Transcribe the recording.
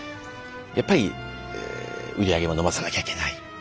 やっぱり売り上げも伸ばさなきゃいけない。